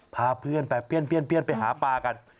พาเพื่อนไปเปี้ยนไปหาปลากัน